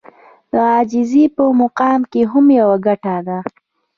د عاجزي په مقام کې هم يوه ګټه ده.